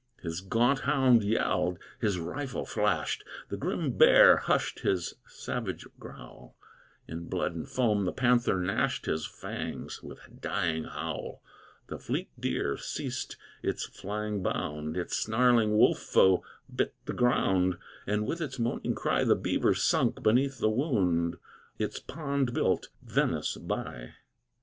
His gaunt hound yelled, his rifle flashed, The grim bear hushed his savage growl; In blood and foam the panther gnashed His fangs, with dying howl; The fleet deer ceased its flying bound, Its snarling wolf foe bit the ground, And, with its moaning cry, The beaver sunk beneath the wound Its pond built Venice by.